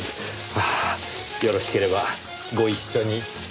よろしければご一緒に。